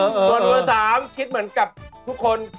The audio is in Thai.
ส่วนเบอร์๓คิดเหมือนกับทุกคน